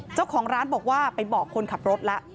เจ้าของร้านบอกว่าไปบอกคนขับรถแล้ว